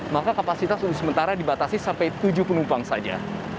maka kapasitas untuk sementara dibatasi sampai tujuh penumpang saja